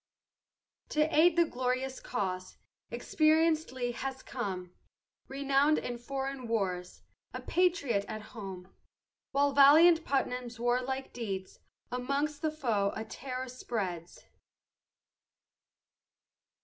To aid the glorious cause, Experienc'd Lee has come, Renown'd in foreign wars, A patriot at home. While valiant Putnam's warlike deeds Amongst the foe a terror spreads.